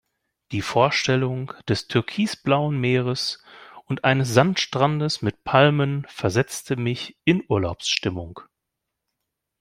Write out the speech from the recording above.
Die Vorstellung des türkisblauen Meeres und eines Sandstrandes mit Palmen versetzte mich in Urlaubsstimmung.